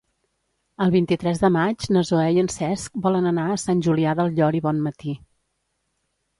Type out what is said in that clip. El vint-i-tres de maig na Zoè i en Cesc volen anar a Sant Julià del Llor i Bonmatí.